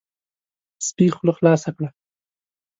سپي خوله خلاصه کړه،